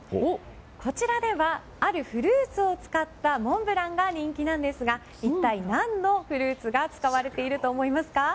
こちらではあるフルーツを使ったモンブランが人気なんですが一体、何のフルーツが使われていると思いますか？